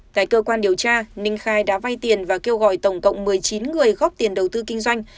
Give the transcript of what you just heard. tại cơ quan điều tra ninh khai đã vay tiền và kêu gọi tổng cộng một mươi chín người góp tiền đầu tư kinh doanh